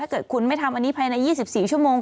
เกิดคุณไม่ทำอันนี้ภายใน๒๔ชั่วโมง